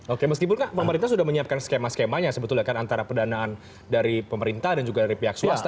oke meskipun pemerintah sudah menyiapkan skema skemanya sebetulnya kan antara pendanaan dari pemerintah dan juga dari pihak swasta